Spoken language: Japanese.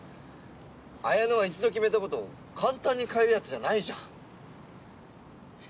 あやのは一度決めたこと簡単に変えるヤツじゃないじゃん。